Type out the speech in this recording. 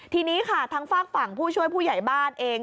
ทีนี้ค่ะทางฝากฝั่งผู้ช่วยผู้ใหญ่บ้านเอง